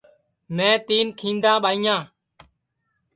میں تین کھیندا ٻائیاں